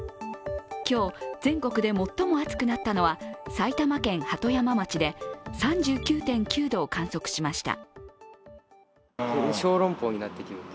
今日、全国で最も暑くなったのは埼玉県鳩山町で３９．９度を観測しました。